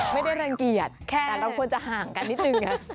ไม่ได้รังเกียจแต่เราควรจะห่างกันนิดนึง